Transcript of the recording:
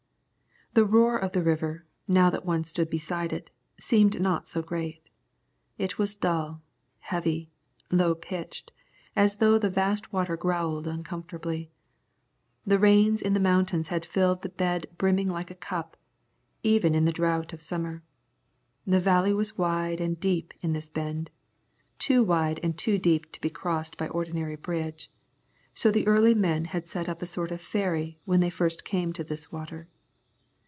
The roar of the river, now that one stood beside it, seemed not so great. It was dull, heavy, low pitched, as though the vast water growled comfortably. The rains in the mountains had filled the bed brimming like a cup, even in the drought of summer. The valley was wide and deep in this bend, too wide and too deep to be crossed by the ordinary bridge, so the early men had set up a sort of ferry when they first came to this water.